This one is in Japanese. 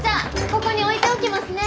ここに置いておきますね。